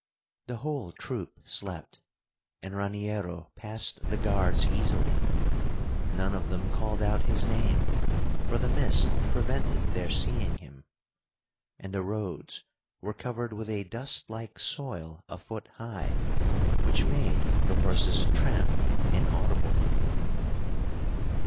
The whole troop slept, and Raniero passed the guards easily. None of them called out his name, for the mist prevented their seeing him, and the roads were covered with a dust like soil a foot high, which made the horse's tramp inaudible.